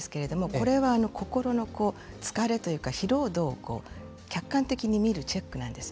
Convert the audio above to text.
これは心の疲労度を客観的に見るチェックなんです。